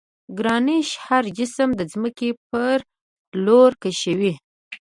ګرانش هر جسم د ځمکې پر لور کشوي.